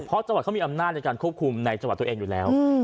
เพราะจังหวัดเขามีอำนาจในการควบคุมในจังหวัดตัวเองอยู่แล้ว